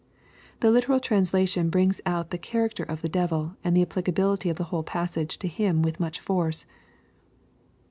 The literal translation brin^ out the charactei of the devil, and the applicability of the whole passage to hinj with much force.